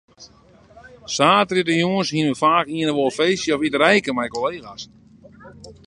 Saterdeitejûns hiene we faak ien of oar feestje of iterijke mei kollega's.